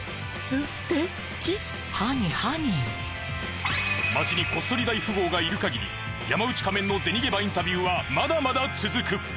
「す・て・き！」「ハニーハニー」［街にこっそり大富豪がいるかぎり山内仮面の銭ゲバインタビューはまだまだ続く］